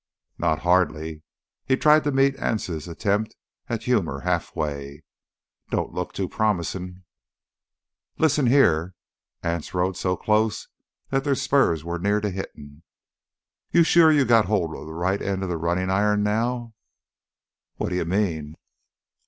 "Not hardly." He tried to meet Anse's attempt at humor halfway. "Don't look too promisin'." "Lissen here"—Anse rode so close their spurs were near to hitting—"you sure you got hold of th' right end of th' runnin' iron now?" "What do you mean?"